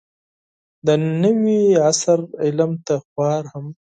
د نوي عصر علم ته خوار هم